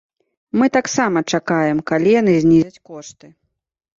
Мы таксама чакаем, калі яны знізяць кошты.